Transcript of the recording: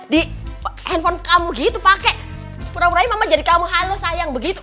di handphone kamu gitu pakai pura puranya mama jadi kamu halo sayang begitu